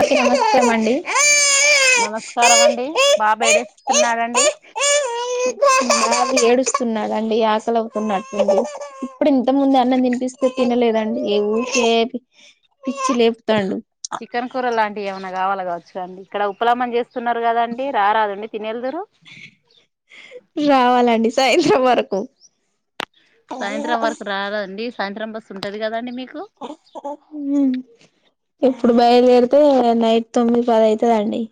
Okay నమస్కారం అండి నమస్కారం అండి బాబు ఏడుస్తున్నాడండి స్తున్నాడండి ఆకలి అవుతున్నట్లు ఉంది ఇప్పుడు ఇంత ముందు అన్నం తనిపిస్తే తినలేదండి ఏ ఊరికే పిచ్చి లేపుతాండు చికెన్ కూర లాంటి ఏమైన్నా కావాలా కావచ్చు అండి ఇక్కడ ఉప లాభం చేస్త స్తున్నారు కదాండి రారదండి తిని వెలదురు రావాలండి సాయంత్రం వరకు సాయంత్రం వరకు రదండి సాయంత్రం బస్ ఉంటది కదండి మీకు ఉమ్ ఇప్పుడు బయలుదేరితే నైట్ తొమ్మిది పది అయితది అండి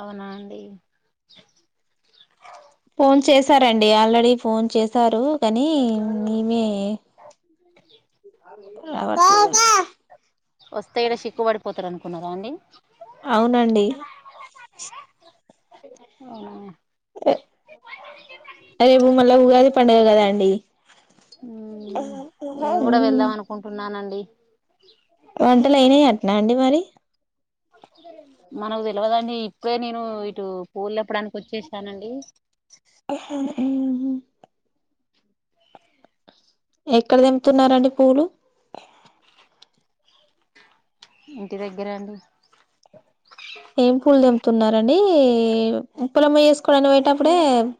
అవునా అండి ఫోన్ చేసారండి ఆల్రెడీ ఫోన్ చేశారు కానీ మేమే రావట్లే కునరా అండి అవునండి అవునా రేపు మళ్ళా ఉగాది పండుగ కదా అండి ఉమ్ నేను కూడా వెళ్దాం అనుకుంటున్నానండి వంటలు అయిన్నీ అట్నా అండి మరి మనకు తేలవదండి ఇప్పుడే నేను ఇటు పూలు లేప్పడానికి వచ్చేసానండి మ్ ఎక్కడ తెంపుతున్నారండి పూలు ఇంటి దగ్గరండి తున్నారండి ఉప్పలమ్మ చేసుకోవడాని పొయెటప్పుడే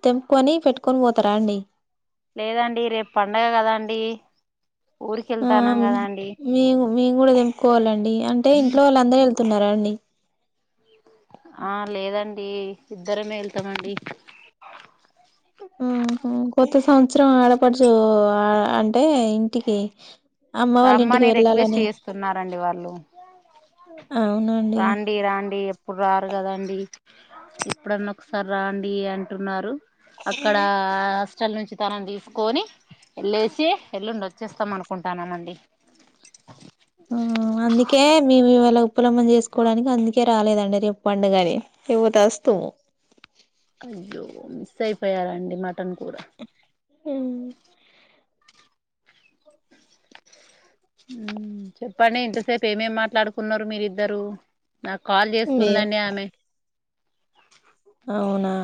తెంపుకోని పెట్టుకొని పోతారా అండి లేదండి రేపు పండగ కదా అండి ఆ ఊరికెళ్తాన్నాం గదండి మేము మేము కూడా తెంపుకోవాలండి అంటె ఇంట్లో వాళ్ళందరెళ్తా తున్నారా అండి ఆ లేదండి ఇద్దరమే వెళ్తామండి మ్ హుమ్ కొత్త సం చిత్రం ఆడపడుచు ఆ అంటే ఇంటికి అమ్మ వాళ్ళ ఇంటికి రామ్మని రిక్వెస్ట్ వెళ్ళాలని చేస్తున్నారండి వాళ్ళు అవునండి రాండి రాండి ఎప్పుడు రా రు కదండి ఎప్పుడన్నా ఒకసారి రాండి అంటున్నారు అక్కడా చచ్చల నుంచి తనను తీసుకొని ఎల్లేసి ఎల్లుండి వచ్చేస్తాం అనుకుంటున్నాన్ మం మ్ అందుకే మేము ఇవాళ ఉప్పలమ్మ ని చేసుకోవడానికి అందుకే రాలేదండి రేపు పండుగని లెపొతెవస్తుము అయ్యో మిస్ అయిపోయారంండి మ మటన్ కూరా మేం ఉమ్ చెప్పండి ఇంతసేపు ఏమేం మాట్లాడుకు కొన్నారు మీరిద్దరు నాకు కాల్ చేస్తుందండి ఆమె అవునా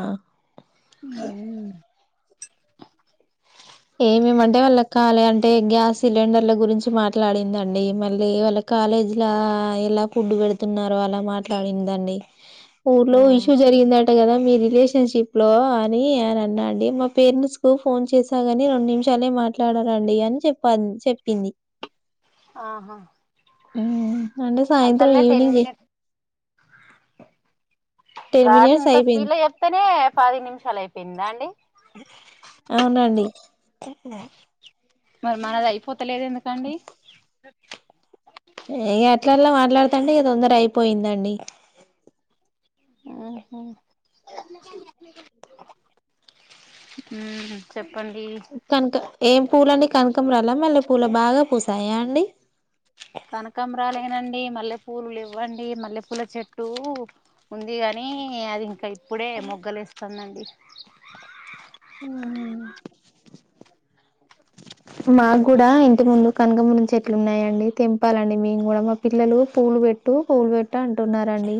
మ్ ఏమేమంటే వాళ్ళ కాలేజ్ అంటే గ్యాస్ సిలిండర్ల గురించి మాట్లాడిందండి మళ్ళీ వాళ్ళ కాలేజీ లా ఎలా ఫుడ్ పెడుతున్నారో అలా మాట్లాడిందండి ఉ ఊర్లో ఇష్యూ జరిగిందండి కదా మీ రిలేషన్షిప్ లో అని ఆయన అన్నా అండి మా పేరెంట్స్ కు ఫోన్ చేసి గాని రెండు నిమిషాలే మాట్లాడారండి అని చెప్ప చెప్పింది ఆహా హ్మ్మ్ అంతలే టెన్ మినిట్స్ టెన్ గా మినిట్స్ అంత స్పీడ్ అయిపోయింది లో చెప్తేనే పది నిమిషాలు అయిపోయిందా అండి అవునండి మరి మాదయిపోత్ ట్టలేదు ఎందుకండి స ఇక అట్ల అట్లా మాట్లాడుతంటె ఇ తొందర అయిపోయిందండి ఆహ హ్మ్మ్ చెప్ తనతో ఏం పూలన్నీ కనకంరాల మల్లే పూల బాగా పూసాయా అండి కనకంరాలేనండి మల్లె పూలు లెవ్వండి మల్లెపూల చెట్టు ఉంది కాని అది ఇంకా ఇప్ ఇప్పుడే మొగ్గలేస్తుందండి ఆహా మాకు కూడా ఇంటి ముందు కనకాంబరం చెట్లు ఉన్నాయండి తెంపాలండి మేము కూడా మా పిల్లలు పూలు పెట్టు పూలు పెట్టు అంటున్నారండి.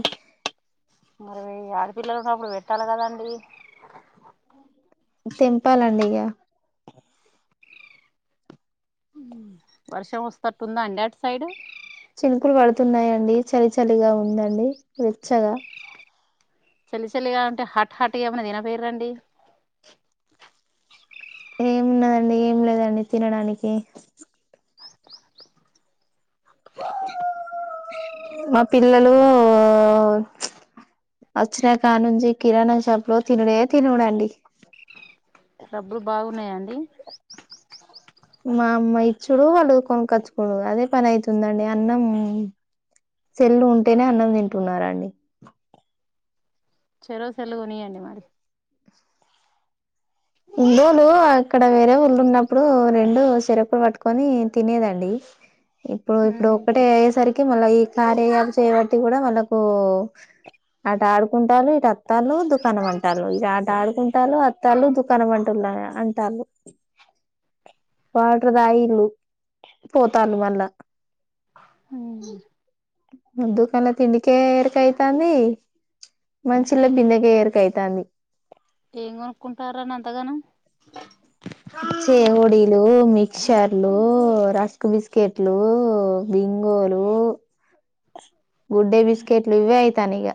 మరి ఆడపిల్లలు ఉన్నప్పుడు పెట్టాలి కదండి తెంపాలండి ఇగ హ్మ్మ్ వర్షం వస్తట్టుందా అండి అటు సైడు చినుకులు పడుతున్నాయండి చలి చలిగా ఉందండి వెచ్చగా చలి చలిగా ఉంటే హట్ హాట్గా ఏమన్నా తినకుపోయేర్ అండి ఏమున్నదండి ఏం లేదండి తినడానికి మా పిల్లలు వచ్చినాక నుంచి కిరాణా షాపు లో తినుడే తినడండి. డబ్బులు బాగున్నాయాండి మా అమ్మ ఇచ్చుడు వాళ్ళు కొనక్కచ్చుకునుడు అదే పని అవుతుందండి అన్నం సెల్లు ఉంటేనే అన్నం తింటున్నరండి. చెరో సెల్లు కొనీయండి మరి ఇండ్రోలు అక్కడ వేరే ఊర్లో ఉన్నప్పుడు రెండు చెరొక పట్టుకొని తినేదండి. ఇప్పుడు ఇప్పుడు ఒక్కటే అయ్యేసరికి మళ్ళ ఈ కార్య యాప్ చేయబట్టి కూడా వాళ్ళకు అటు ఆడుకుంటారు ఇటు అత్తాలు దుకాణం అంటారు ఇగా ఆట ఆడుకుంటారు అత్తాలు దుక్ కనుమంటుల్లా అంటాల్లు వాటర్ దాగిల్లు పోతాళ్ళు మళ్ళా దుకాణంలో తిండికే ఎరుకైతాంది మనుషుల తిండికే ఎరుకైతాంది. ఏం కొనుకుంటారని అంతగనం చెకోడిలూ మిక్చర్లు రస్క్ బిస్కెట్లు బింగోలు గుడ్డే బిస్కెట్లు ఇవే అయితనై ఇగ.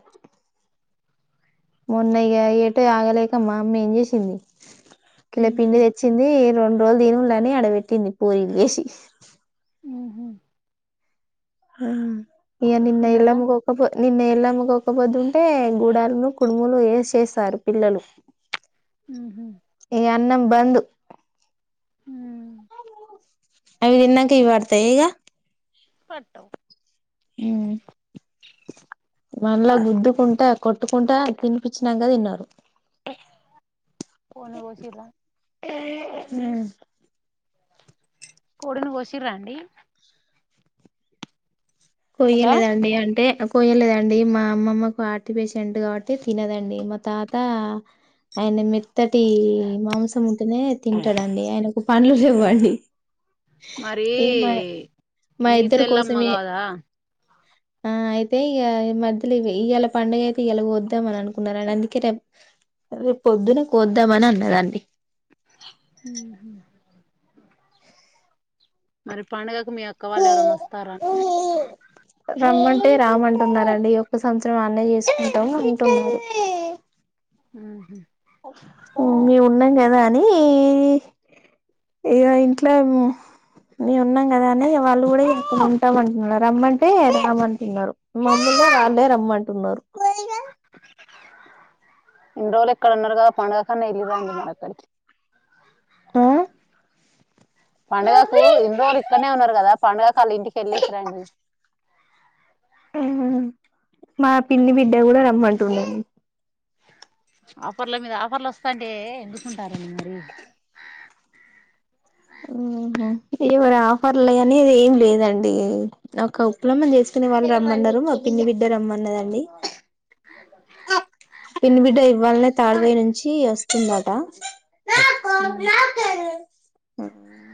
మొన్న ఇగ ఏటు ఆగలేక అమ్మ ఏం చేసింది కిల పిండి తెచ్చింది రెండు రోజులు తినుల్లు అని ఆడబెట్టింది పూరీలు చేసి హ్మ్మ్ హా ఇగ నిన్న తిన్నరా ఇళ్లకు పోకపో నిన్న ఎల్లమ్మకు ఒక్కపొద్దు ఉంటే గూడాలును కుడుములు వేసేశారు పిల్లలు హ్మ్మ్ ఇగ అన్నం బంద్ హ్మ్ అవి తిన్నాంక యివి పడతాయ ఇగ పట్టవ్ మ్మ్ మళ్ళా గుద్దకుంటా కొట్టుకుంటా తినిపచ్చినాంక తిన్నారు కోడ్నూ కోసిర్రా హ్మ్మ్ కోడిని కోసిర్రా అండి హలో కొయ్యలేదండి అంటే కోయలేదండి మా అమ్మమ్మకు హార్ట్ పేషెంట్ కాబట్టి తినదండి మా తాత ఆయన మెత్తటి మాంసం ఉంటేనే తింటాడండి ఆయనకు పండ్లు లేవండి. మరి మా నీ ఇద్దరు సెల్లమ్మ కోసమే కాదా ఆ అయితే ఇక ఈ మధ్యలో ఇవాళ పండుగ అయితే ఇయాల కోద్దామని అనుకున్నారండి అందుకే రేపు రేపు పొద్దున కోద్దామని అన్నరండి హ హ మరి పండుగాకు మీ అక్క వాళ్ళు ఎవరైనా వస్తార మరి రామ్మ అంటే రామ్ అంటున్నారండి ఈ ఒక్క సంవత్సరం అన్నె చేసుకుంటాం అంటున్నారు. ఆహ మేం ఉన్నాం కదా అని ఇగఇంట్లో మేం ఉన్నాం కదా అని వాళ్ళు ఇక్కడ ఉంటాము అంటున్నారు రమ్మంటే రామ్మంటున్నారు మమ్మల్నెగా వాళ్ళే రమ్మంటున్నారు ఇన్ని రోజులు ఎక్కడన్నారు కదా పండుగ కాన్నా వెళ్ళి రాండి మరి అక్కడికి ఆ పండుగకు ఇన్ని రోజులు ఇక్కడనే ఉన్నారు కదా పండుగకు వాళ్ళ ఇంటికి వెళ్ళసిరండి ఆ మా పిన్ని బిడ్డ కూడా రమ్మంటుంది అండి ఆఫర్ల మీద ఆఫర్లు వస్తాంటే ఎందుకుంటారు అండి మరి ఉహు ఎవరి ఆఫర్లు అనిది ఏం లేదండి ఒక ఉప్లమ్మం చేసుకునే వాళ్ళు రమ్మన్నారు మా పిన్ని బిడ్డ రమ్మన్నదండి పిన్ని బిడ్డ ఇవ్వాలనే తాడవైరి నుంచి వస్తుందంట. మ్మ్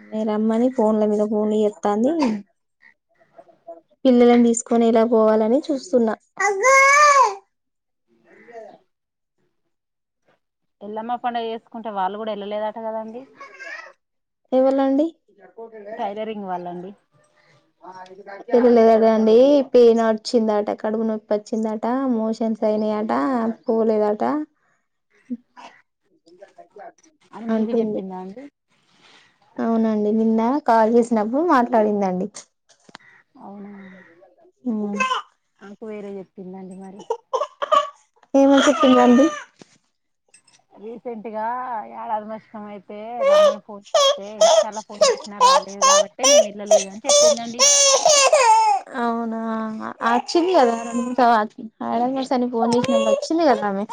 నేను రమ్మని ఫోన్ల మీద ఫోన్లు చేత్తాంది పిల్లలని తీసుకొని ఇలా పోవాలని చూస్తున్నా వె [inaudible] ఎల్లమ్మ పండుగ చేసుకుంటే వాళ్ళు కూడా వెళ్ళలేదా ఎవలండి టైలరింగ్ వాళ్ళండి పిలవలేదండి పెయిన్ వచ్చిందట కడుపు నొప్పి వచ్చిందట మోషన్స్ అయినా అట పోలేదట అని మీకు అంటుంది చెప్పిందా అండి అవునండి నిన్న కాల్ చేసినప్పుడు మాట్లాడిందండి అవునా మ్మ్ నాకు వేరే చెప్పిందండి మరి ఏమని చెప్పింది అండి. రీసెంట్గా ఏడది మషకంయి [inaudible] రమ్మని ఫోన్ చేస్తే అని చాలా ఫోన్ చేసినా రాలేదు కాబట్టి మేము ఎల్లలేదు అని చెప్పిందండి. ఆచ్చింది కదా స అడ వ [unintelligible] ర్షాని ఫోన్ చెసినప్పుడు వచ్చింది కదా ఆమె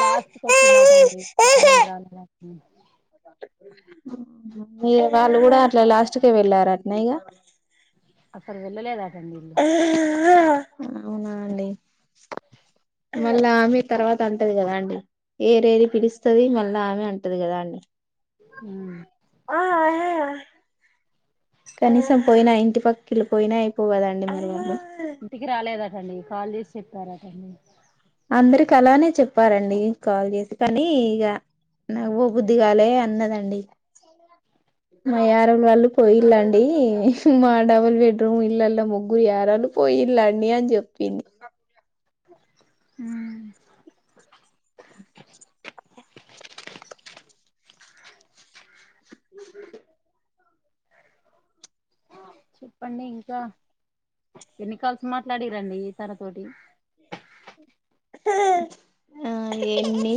లాస్ట్ కు వొచ్చినాడు ఉంటా అండి కొబ్బెర నూనె రాలేద హమ్ మీ వాళ్ళు కూడ అట్ల లాస్ట్క వెళ్ళారు అట్నే ఇగ అసలు వెళ్ళలేదా రండిలు [inaudible] అవునా అండి మళ్ళా ఆమె తర్వాత అంటది కదా అండి ఏరేది పిలుస్తాది మళ్ళా ఆమె అంటది కదా అండి ఆ కనీసం పోయినా ఇంటి పక్కిల్లు పోయినా అయిపోవు కదండి ముందుగా లే ఇంటికి రాలేదం టన్డి కాల్ జెసి చెప్పారన్టండి అందరికి అలానే చెప్పారండి కాల్ చేసి కానీ ఇగ నమ్మ బుద్ధి కాలే అన్నదండి మా యర వాళ్ళు పోయిల్ళండి మా డబుల్ బెడ్రూమ్ ఇళ్లల ముగ్గురు ఎారళ్ళు పోయిల్ళండి అని చెప్పింది హమ్ అ చెప్పండి ఇంక ఎన్నికాల్సి మాట్లాదుర్రండి తనతోటి ఆ ఏన్ని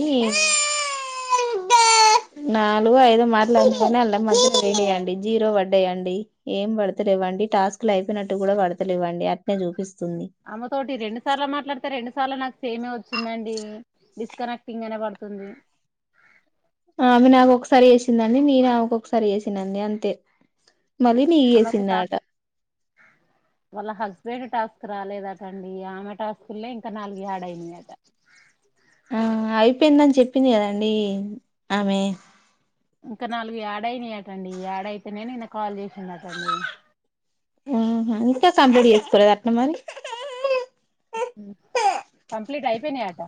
నాలుగు ఐదో మాట్లుడుకుని అళ్ళ మధ్యలో వయండి జీరో పడ్డాయండి ఏం పడతలేవండి టాస్క్ లు అయిపోయినట్టు కూడా పడతలేవండి అట్నే చూపిస్ ఆమెతోటి రెండు సార్లు మాట్లాడుతే రెండ్ సార్లు నాకు సేమే వచ్చిందండి డిస్కనెక్టింగ్ అనే పడుతుంది ఆమె నాక్ ఒకసారి చేసిందండి నేను ఆమె కొకసారి చేసిన అండి అంతే మళ్ళీ నిక్ ఆమెకు టాస్క్ చేసిందట వాళ్ళ హస్బెండ్ టాస్క్ రాలేదటండి ఆమె టాస్కులేం నాలుగు యాడ్ అయిందట ఆ అయిపోయిందని చెప్పింది కదండి ఆమె ఇంకా నాలుగు యాడయినాయాటండి యాడయితేనేను నిన్న కాల్ చేసిందట అండి ఉహ్మ ఇంక కంప్లీట్ చేసుకోలేద అట్నే మరి కంప్లీట్ అయిపోయినాయట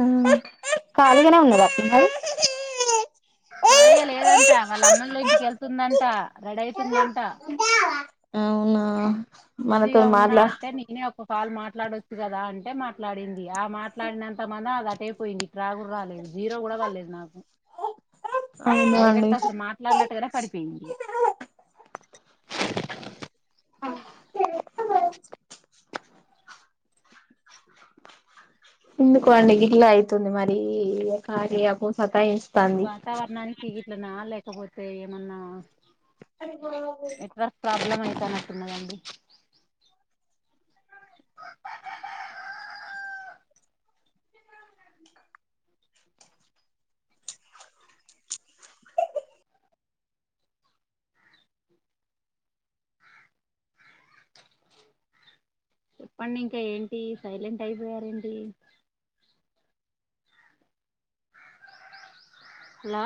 ఆ [unintelligible] [unintelligible] కార్య లేదంట వాళ్ళ అమ్మోల్ల ఇంటికెళ్తుందంట రెడై స్తుందంట అవునా బిజీగ మనతో ఉన్నా మాట్లా అంటే నేనే ఒక కాల్ మాట్ మాట్లాడొచ్చు కదా అంటే మాట్లాడింది ఆ మాట్లాడినం మ అది అటేపోయింది ట్రాకు రాలేదు జీరో కూడా పడలేదు నాకు అవునా అండి డైరెక్ట్ అసలు మాట్లాడినట్టుగానే పడిపోయింది ఎందుకో అండి గిట్ల అయితుంది మరి కార్య ఒకొసార్ ఈ వాతావరణానికి గిట్ల నా లేకపోతే సే ఏమన్నా అ అత్తమ్మ ఎట్లున్నదండి చెప్పండి ఇంకా ఏంటి సైలెంట్ అయిపోయారు ఏంటి మా